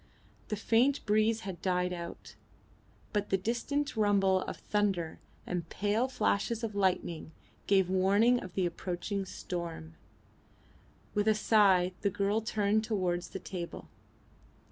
The faint breeze had died out, but the distant rumble of thunder and pale flashes of lightning gave warning of the approaching storm. With a sigh the girl turned towards the table.